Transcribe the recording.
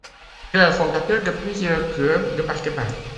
Il est le fondateur de plusieurs clubs de basket-ball.